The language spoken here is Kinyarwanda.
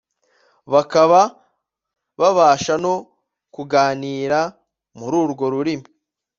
bakaba babasha no kuganira muri urwo rurimi